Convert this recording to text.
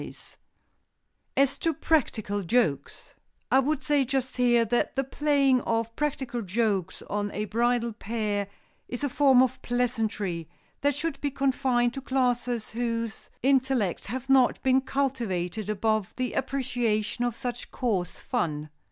[Sidenote: AS TO PRACTICAL JOKES] I would say just here that the playing of practical jokes on a bridal pair is a form of pleasantry that should be confined to classes whose intellects have not been cultivated above the appreciation of such coarse fun.